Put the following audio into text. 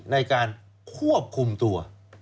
ในการควบคุมตัว